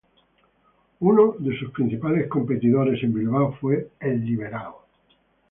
Uno de sus principales competidores en Bilbao fue "El Liberal".